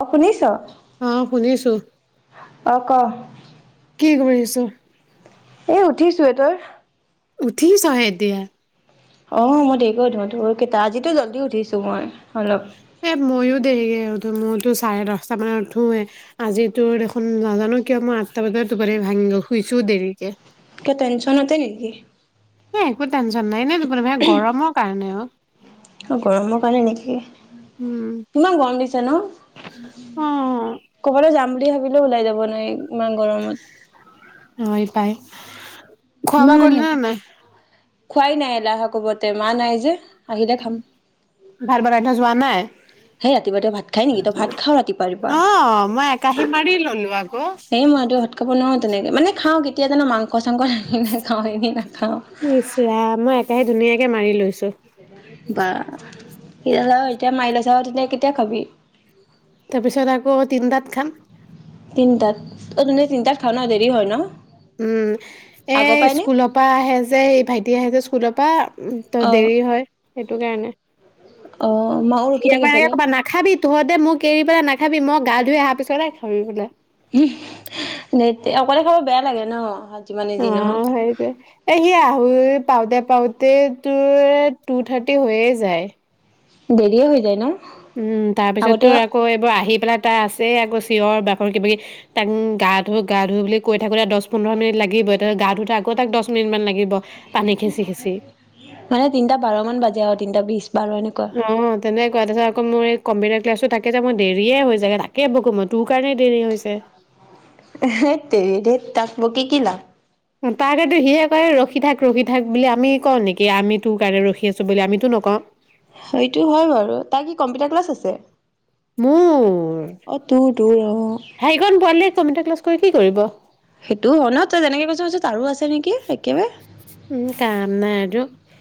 অ শুনিছ অ শুনিছো অ ক কি কৰি আছো এ উঠিছোৱে তই উঠি চহায়দ দয়া অ মই ধঢেক উধো তোৰ কেইটা আজিতো জল্দি উঠিছো মই অলপ এ ময়ো দে গে ত মইতো চাৰে দহটা মানত উঠোৱে আজি তো দেখোন নাজানো কিয় মই আঠটা বজাত তপাৰ ভাঙি গ'ল শুইছো দেৰিকে কিয় টেনচনতে নেকি এই একো টেনশ্যন নাই নে মানে গৰমৰ কাৰণেও গৰমৰ কাৰণে নেকি উম ইমান গম দিছ তেন অ ক'বালে যাম ভাবিলেও ওলাই যাব নোৱাৰি ইমান গৰমত অ পাই খোৱা বোৱা ইমান কৰিলে নে নাই খোৱাই নাই এলাহ কোবতে মা নাই যে আহিলে খাম ভাত বনাই থৈ যোৱা নাই সেই ৰাতিপুৱাতে ভাত খাই নেকি তই ভাত খাও ৰাতিপুৱা ৰাতিপুৱা অ মই একাহী মাৰি ললো আকৌ এই মই ৰাতি ভাত খাব নোৱাৰো তেনেকে মানে খাওঁ কেতিয়া জানো মাং কচংকৰ খাওঁ এনে নাখাওঁ ইচ ৰাম মই একাহী ধুনীয়াকে মাৰি লৈছো বা এতিয়া মাৰি লৈছ তেতিয়া কেতিয়া খাবি তাৰপিছত আকৌ তিনটাত খাম তিনিটাত অ তহঁতে তিনিটাত খাও ন দেৰি হয় ন উম এ আগৰ পাই নে স্কুলৰ পৰা আহে যে এই ভাইটি আহে যে স্কুলৰ পৰা ত অ দেৰি হয় সেইটো কাৰণে অ মাও ৰখি সি থাকে আগে চাগে ক'ব নাখাবি তহঁতে মোক এৰি পেলাই নাখাবি মোক গা ধুই আহা পিছত হে খাবি বোলে অকলে খাব বেয়া লাগে ন যিমানে অ যি নহওক সেইতোৱে এ সি আঢ়ৈত পাওঁতে পাওঁতে তোৰ টু থাৰ্টি হৈয়ে যায় দেৰিয়ে হৈ যায় ন উম তাৰ পিছত আগতে তোৰ আকৌ এইবোৰ আহি পেলাই তাই আছে যে আকৌ চিঞৰ বাঘৰ কিবাাকি তাক গা ধো গা ধুওঁ বুলি কৈ থাকোতে দহ পোন্ধৰ মিনিট লাগিব এতিয়া গা ধোতে আকৌ তাক দহ মিনিট মান লাগিব পানী খেচি খেচি মানে তিনটা বাৰমান বাজে আৰু তিনটা বিশ বাৰ এনেকুৱা অ তেনেকুৱা ত আকৌ মোৰ কম্পিউটাৰ ক্লাছো তাকে ত মই দেৰিয়ে হৈছে গে তাকে বকো মই তোৰ কাৰণে দেৰি হৈছে হেত তেৰি তাক বকি কি লাভ তাৰ কাৰণে সিয়ে কয় ৰখি থাক ৰখি থাক বুলি আমি কওঁ নেকি আমি তোৰ কাৰণে ৰখি আছো বুলি আমিতো নকওঁ সেইটো হয় বাৰু তাৰ কি কম্পিটাৰ ক্লাছ আছে মোৰ অ তোৰ তোৰ অ হেকন পাৰলে কম্পিউটাৰ ক্লাছ কৰি কি কৰিব সেইটোও হয় ন তই যেনেকে কৈছৈ তাৰো আছে নেকি একেবাৰে উম কাম নাই আৰু দেই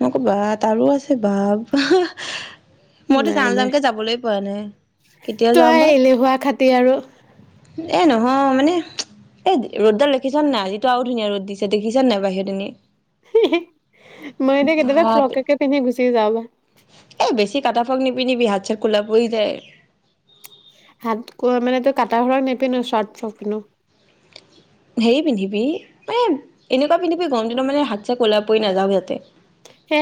নক বা তাৰো আছে বা মইতো নাই যাওঁ নাই যাওঁকে যাবলৈ পোৱা নাই কেতিয়া যাওঁ বা তে আৰু এ নহয় মানে এ ৰ'দডাল দেখিছান নাই আজিতো আৰু ধুনীয়া ৰ'দ দিছে দেখিছান নাই বাহিৰত এনে। মই এনে কেতিয়াবা বাপ ফ্ৰককে পিন্ধি গুছ চি যাব। ফগ্নি পিনিবি হাত চাত ক'লা পৰি যায়। হাত ক' মানে তই কটা সক নেপিন্ধো চৰ্ট ফ্ৰক পিন্ধো। হেৰি পিন্ধিবি মানে এনেকুৱা পিন্ধিবি গম দিনা মানে হাত চে ক'লা পৰি নাযাও যাতে। হে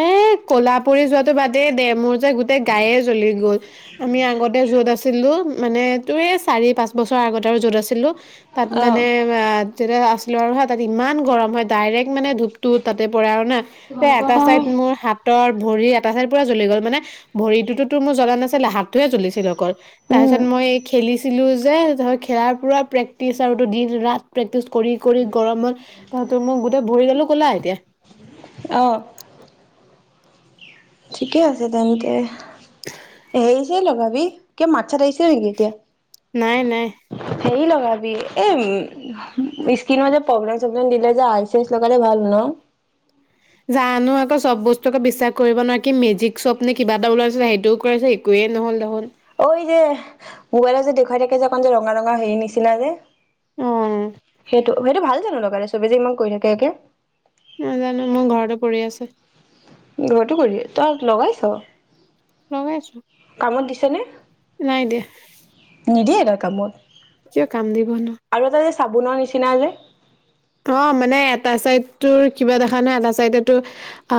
কলাপুৰি যোৱাটো বাদেই দে মোৰ গোটেই গায়ে জ্বলি গ'ল আমি আগতে য'ত আছো। ছিলোঁ মানে তোৰ এই চাৰি পাঁচ বছৰ আগত আৰু য'ত আছিলোঁ। তাত অ' মানে আ তেতিয়া আছিলো আৰু হা তাত ইমান গৰম হয় ডাইৰেক্ট মানে ধূপটো তাতে পৰে আৰু না এটা চাইড মোৰ হাতৰ ভৰিৰ এটা চাইৰ পৰা জ্বলি গ'ল মানে ভৰিটোোতো তোৰ মোৰ জনা নাছিলে হাতটোয়ে জ্বলিছিল অকল। তাৰ উম পিছত মই খেলিছো ছিলো যে ধ খেলাৰ পুৰা প্ৰেক্টিচ আৰু দিন ৰাত প্ৰেক্টিচ কৰি, কৰি গৰমত তাহঁতৰ মই গোটেই ভৰি গ'লো। ক'লা এতিয়া অহ। ঠিকে আছে তেন্তে সেছে লগা কে মা চছাত আহিছে নেকি এতিয়া নাই নাই হেৰি ল'। ভাবি এই উম, স্কিনৰ যে প্ৰব্লেম চব্লেম দিলে যে আইচ লগালে ভাল ন'? জানো আকৌ চব বস্তু আকৌ বিশ্বাস কৰিব নোৱাৰি কি মেজিক শ্বপ নে কিবা এটা ওলাইছিলে সেইটোও কৰাঁ একোৱে নহ'ল দেখোন। অ', এই যে মোবাইলত যে দেখুৱাই থাকে যে অকন যে ৰঙা ৰঙা হেৰি নিচিনা যে অ সেইটো সেইটো ভাল জানো লগালে চবি যে ইমান কৈ থাকে একে। নাজানো মোৰ ঘৰতে পৰি আছে। ঘৰতো কৰি তই লগাইছ'? ৰমেশ কামত দিছেনে? নাই দিয়া। নিদিয়ে এটা কামত। কিয় কান্দিব ন'। আৰু এটা যে চাবোনৰ নিচিনা যে। অ', মানে এটা চাইড তোৰ কিবা দেখা নাই এটা চাইডো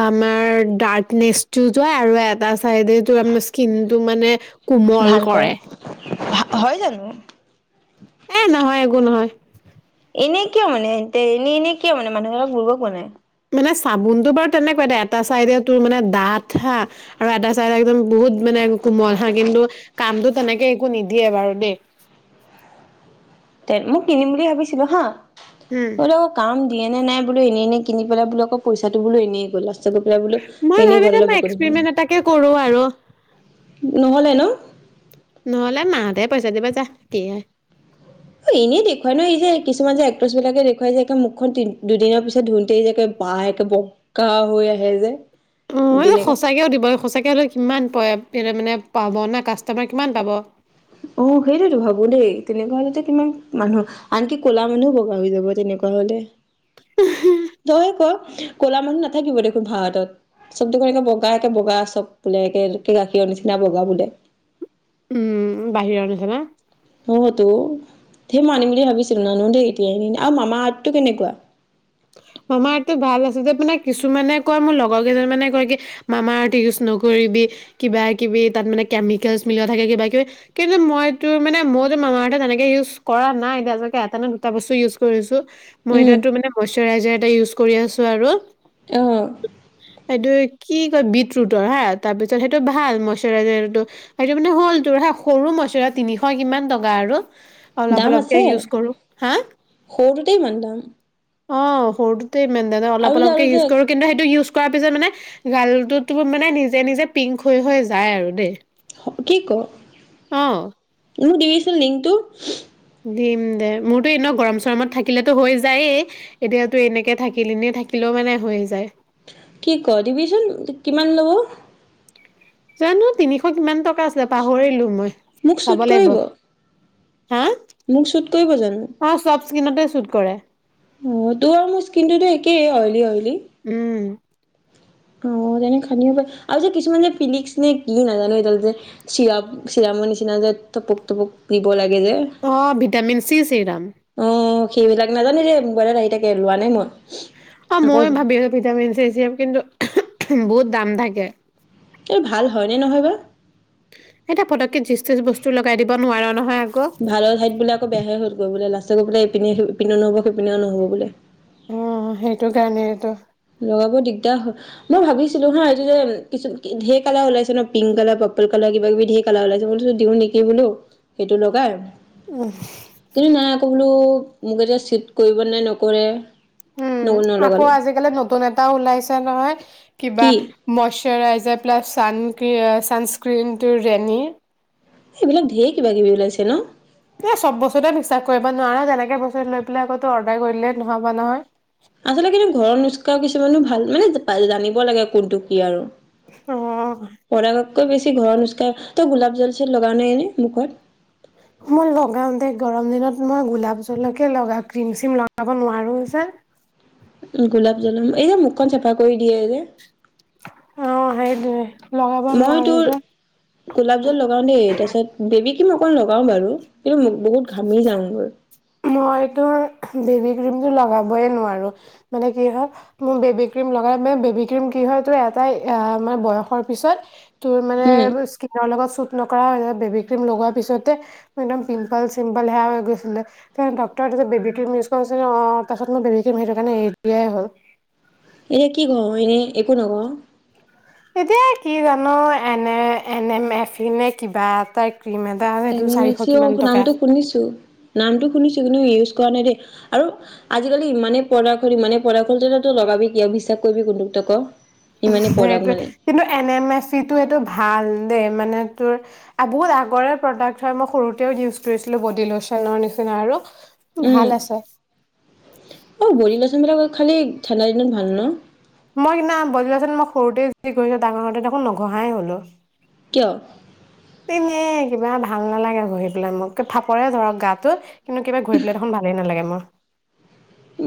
আমাৰ ডাৰ্কনেচ যোৱা আৰু এটা চাইডে আমাৰ স্কিন টো মানে কোমল কৰে, হয় জানো এ নহয় একো নহয়। এনেই কিয় মানে এ এনে এনেই কিয় মানে মানুহবিলাক বুৰ্বক বনাই। মানে চাবোনতটো বাৰু তেনেকুৱা দে এটা চাইডে তোৰ মানে ডাঠ হা আৰু এটা চাইডে একদম বহুত মানে কোমল হা কিন্তু কামতটো তেনেকে একো নিদিয়ে বাৰু দেই। মোক কিনিম বুলি ভাবিছিলো হা। উম, বোলে কাম দিয়ে নে নাই। বো এনেই কিন পেল বো আকৌ পইচাটো এনেই গ'ল। গৈ পেলাই বোলো মই এনেই গ'ল ভাবিলো অলপ মই বকনি এক্সপৰিমেন্ট এটাকে কৰোঁ আৰু নহ'লে ন নহ'লে মাহ তে পইচা দিবা যাহ কি হয়। অ', এনেই দেখুৱাই নয় যে কিছুমান যে এক্ট্ৰেছ বিলাকে দেখুৱাই যে একে মুখখন তি দুদিনৰ পিছত ধুনতে যোকে বাহ একে বগা হৈ আহে যে। অ', এই তেনেকা সঁচাকেও দিব সঁচাকে হ'লে কিমান প মানে পাব না কাষ্টমাৰ কিমান পাব। অ', সেইটোৱেতো ভাবো দেই! তেনেকুৱা হ'লেটো কিমান মানুহ, আনকি ক'লা মানুহো বগা হৈ যাব তেনেকুৱা হ'লে। [unintelligible] ক ক'লা মানুহ নাথাকিবই দেখোন ভাৰতত। চব দেখোন একে বগা, একে বগা চব বোলে একে গাখীৰৰ নিচিনা বগা বোলে। উম, বাহিৰৰ নিচিনা। অ' তো ধেই মই আনিম বুলি ভাবিছিলোঁ নানো দেই এতিয়াই [unintelligible] আৰু মামা আৰ্থটো কেনেকুৱা? মামা আৰ্থটো ভাল আছে যে মানে কিছুমানে কয় মোৰ লগৰ কেইজন মানে কয় কি মামা আৰ্থটো ইউজ নকৰিবি। কিবা-কিবি তাত মানে কেমিকেলচ মিলোৱা থাকে কিবা-কিবি। কিন্তু মইতো মানে মইতো মামা অৰ্থটো তেনেকে ইউজ কৰা নাই দে আজিলৈকে এটা নে দুটা বস্তু ইউজ কৰিছোঁ। উম ময়দাতো মানে [unintelligible] এটা ইউজ কৰি আছোঁ আৰু। এইটো অ'। কি কয় বিটৰৰুটৰ হা! তাৰপিছত সেইটো ভাল মইশ্চাৰাইজাৰটো। সেইটো মানে হ'লটোৰ হা! সৰু মইশ্চাৰ [unintelligible] তিনিশ কিমান টকা আৰু। অলপ দাম অলপকে আছে! ইউজ কৰো হা সৰুটোতে ইমান দাম। অ', সৰুটো তে ইমান দাম [unintelligible] আৰু যে অলপ-অলপকে আৰু যে ইউজ কৰোঁ, কিন্তু সেইটো ইউজ কৰাৰ পিছত মানে! গালটোতো মানে নিজে-নিজে পিংক হৈ-হৈ যায় আৰু দেই। [unintelligible] কি ক'? অ মোক দিবিচোন লিংকটো। দিম দে! মোৰতো এনেও গৰম-চৰমত থাকিলেতো হৈ যায়েই। এতিয়াতো এনেকে থাকিলে [unintelligible] নেথাকিলেও মানে হৈয়ে যায়। কি ক'! দিবিচোন কিমান ল'ব? জানো, তিনিশ কিমান টক কা আছিল পাহৰিলো মই মোক চাব চুট লাগিব। কৰিব হা মোক চুট কৰিব জানো? অ চব স্কিনতে চুট কৰে অ', তোৰ আৰু মোৰ স্কিনটোতো একেই অইলী, অইলী। উম, অ', তেনে খানিব পাৰ আৰু কিছুমান যে, ফিলিক্স নে কি নাজানো এইডাল যে, চিৰা-চিৰামৰ নিচিনা যে, থপুক পুক দিব লাগ অ', ভিটামিন চি ছিৰাম অ সেইবিলাক নাজানো মোবাইলত আহি থাকে লোৱা নাই মই। অ', আকৌ মই ভাবিছো ভিটামিন চি স্বিৰাপ কিন্তু বহুত দাম থাকে। এই ভাল হয়নে নহয় বা, জীতি বস্তু লগাই দিব নোৱাৰা নহয়। আকৌ। ভালৰ ঠাইত বোলে আকৌ বেয়াহে হ'ল গৈ বোলে লা ষ্টত বোলে ইপিনে ইপিনেও নহব সিপিনেও নহব বোলে। অ' সেইটো কাৰণেইটো। লগাব দিগদাৰ হয় মই ভাবিছিলো হা এইটো যে কিছু ঢেৰ কালাৰ ওলাইছে ন' পিংক কালাৰ, পাৰ্পল কালাৰ কিবা কিবি ঢেৰ কালাৰ ওলাইছে, মই বোলো দিও নেকি বোলো সেইটো লগাই। কিন্তু নাই আকৌ [unintelligible] বোলো মোক এতিয়া চুট কৰিব নাই নকৰে। ন উম, আকৌ নলগালো আজিকালি নতুন এ টাও ওলাইছে নহয়। কিবা কি মচ এৰাইজাৰ প্লাছ চান ছানস্ক্ৰিনটো ৰেনিৰ। এইবিলাক ঢেৰ কিবা কিবি ওলাইছে ন'? এ চব বস্তুতে বিশ্বাস কৰিব নোৱাৰো, তেনেকে বস্তু লৈ পেলাই আকৌ অৰ্ডাৰ কৰিলেই নহ'ব নহয়। আচলতে কিন্তু ঘৰৰ নোচকাও কিছুমানো ভাল মানে জানিব লাগে কোনটো কি আৰু। অ'। প্ৰডাক্টতকৈ বেছি ঘৰৰ নুস্কাৰ, তই গোলাপ জল চল লগাওঁ ন' এনে মুখত? মই লগাও দেই গৰম দিনত মই গোলাপ জলকে লগাও, ক্ৰীম চিম লগাব নোৱাৰো যে। গোলাপ জল, এই যে মুখখন চাফা কৰি দিয়ে যে। অ' সেইটোৱে। লগাব মই নোৱাৰো তোৰ, যে গোলাপ জল লগাও দেই তাৰপিছত বেবী ক্ৰীম অকণ লগাও বাৰু কিন্তু বহুত ঘামি যাওঁগৈ। মই তোৰ বেবী ক্ৰীমতো লগাবয় নোৱাৰো মানে কি হয় মোৰ বেবী ক্ৰীম লগাই, বেবী ক্ৰীম কি হয় তোৰ এটাই মানে বয়সৰ পিছত তোৰ মানে উম স্কিনৰ লগত শ্বুট নকৰা হ'ল বেবী ক্ৰীম লগোৱাৰ পিছতে, মোৰ একদম পিম্পল চিম্পল সেয়া হৈ গৈছিলে। তাৰ বাপ্পাক যে বেবিটোৰ নিচিনা হৈছে যে অ' তাৰপিছত মই বেবিতুৰ কাৰনে এৰি দিব লগা হ'ল। এনে কি ঘঁহ, এনে একো নঘঁহ? এতিয়া কি জান' এনে এনে এম এফ নে কিবা এটা ক্ৰীম এটা সেইটো চাৰিশ এনেমিছো কিমান টকা নামটো শুনিছো, নামটো শুনিছো কিন্তু ইউজ কৰা নাই দেই। আৰু আজিকালি ইমানেই প্ৰডাক্ট হ'ল, ইমানেই প্ৰডাক্ট হ'ল তেতিয়াতো লগাবি কিয়, বিশ্বাস কৰিবি কোনতোক তই ক? ইমানেই প্ৰডাক্ট সেইটোৱে মানে কিন্তু এন এম এফ ইটো এইটো ভাল দেই মানে তোৰ বহুত আগৰে প্ৰডাক্ট হয়, মই সৰুতেও ইউজ কৰিছিলোঁ বডি ল'চনৰ নিচিনা আৰু। ভাল উম, আছে অ' বৰি ল যুনবিলাকৰ খালি ঠাণ্ডা দিনত ভাল ন'? মই সিদিনা বডী লোচন মই সৰুতে যি ঘঁহিছো, ডাঙৰ হওঁতে দেখোন নঘঁহাই হ'লো। কিয় [unintelligible] কিবা ভাল নালাগে, ঘঁহি পেলাই মোৰ একে ফাপৰে ধৰক গাটো কিন্তু কিবা ঘঁহি পেলাই দেখোন ভালেই নালাগে মোৰ।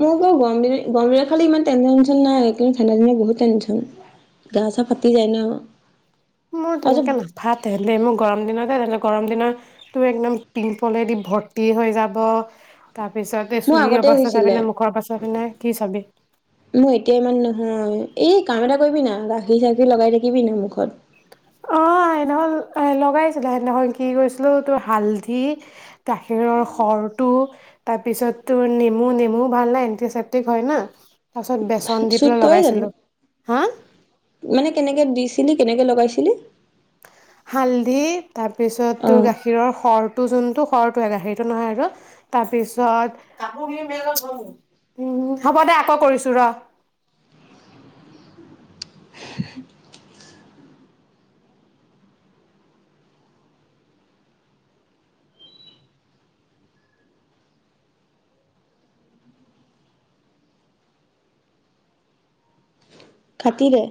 মই ব গৰম দিন গৰম দি খালি ইমান টেনচন ন্যন নাই কিন্তু ঠাণ্ডা ঠডা বহুত টেনচন গা চা ফাাটি যায় ন আৰু মোৰ তেনেকে নাভা তে মোৰ গৰম দিনতে তেনেকা গৰম দিনতটো একদম পিম্পলেদি ভৰ্তি হৈ যাব। তাৰপিছতে মোৰ চুলিৰ আগতে অৱস্থা হৈছিলে, চাবিনে মুখৰ অৱস্থা চাবিনে কি চাবি মোৰ এতিয়া ইমান নহয় এই কাম এটা, কৰিবি না গাখীৰ- চাখীৰ লগাই থাকিবি না মুখত। অ', সেইদিনাখন লগাইছিলে, সেইদিনাখন কি কৰিছিলো তোৰ হালধি- গাখীৰৰ খৰটো তাৰপিছত তোৰ নেমু -নেমুও ভাল নাই এন্টিচেপটিক হয় না ',। শ্বুট কৰে জানো হা মানে কেনেকে দিছিলি, কেনেকে লগাইছিল? হালধি, তাৰপিছত অ', গাখীৰৰ সৰটো, যোনটো সৰ টো এৰা সেইটো নহয় আৰু তাৰপিছত উম ', হ'ব দে আকৌ কৰিছো ৰ [unintelligible] খাতিৰে।